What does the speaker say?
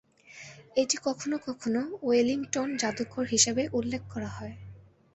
এটি কখনও কখনও ওয়েলিংটন জাদুঘর হিসাবে উল্লেখ করা হয়।